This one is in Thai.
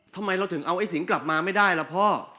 ทำไมเราถึงเอาไอ้สิงกลับมาไม่ได้ล่ะพ่อ